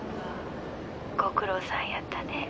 ご苦労さんやったね。